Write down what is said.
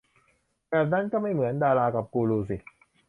แบบนั้นก็ไม่เหมือนดารากับกูรูสิ